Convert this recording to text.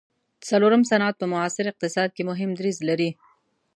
څلورم صنعت په معاصر اقتصاد کې مهم دریځ لري.